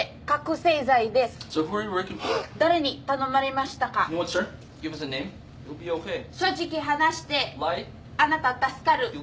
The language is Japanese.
正直話してあなた助かる。